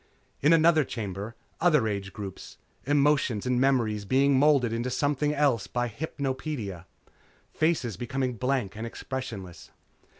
In other chambers, other age groups. Emotion and memory being moulded into something else by hypnopedia. Faces becoming blank and expressionless.